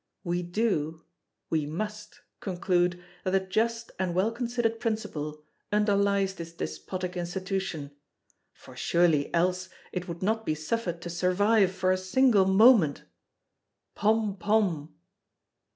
We do, we must, conclude that a just and well considered principle underlies this despotic Institution; for surely, else, it would not be suffered to survive for a single moment! Pom! Pom!